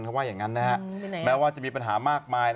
เขาว่าอย่างนั้นนะฮะแม้ว่าจะมีปัญหามากมาย